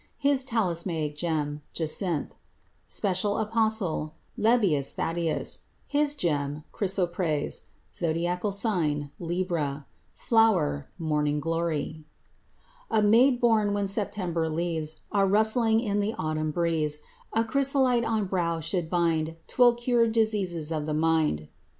His talismanic gem Jacinth. Special apostle Lebbeus Thaddeus. His gem Chrysoprase. Zodiacal sign Libra. Flower Morning glory. A maid born when September leaves Are rustling in the autumn breeze, A chrysolite on brow should bind— 'Twill cure diseases of the mind.